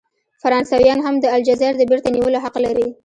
فرانسویان هم د الجزایر د بیرته نیولو حق لري.